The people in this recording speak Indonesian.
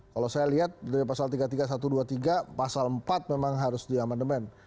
kalau saya lihat dari pasal tiga puluh tiga satu ratus dua puluh tiga pasal empat memang harus di amendement